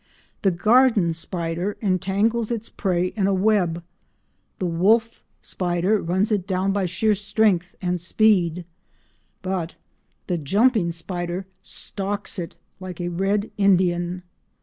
The garden spider entangles its prey in a web, the wolf spider runs it down by sheer strength and speed, but the jumping spider stalks it like a Red Indian.